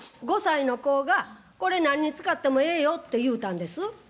５歳の子が「これ何に使ってもええよ」って言うたんです。